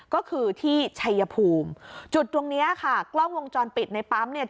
ก็คือที่ชัยภูมิจุดตรงเนี้ยค่ะกล้องวงจรปิดในปั๊มเนี่ย